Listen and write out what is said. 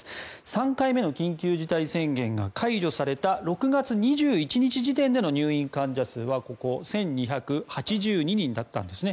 ３回目の緊急事態宣言が解除された６月２１日時点での入院患者数は１２８２人だったんですね。